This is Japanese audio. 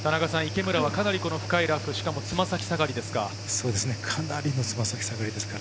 池村はかなり深いラフ、つま先下がりですか？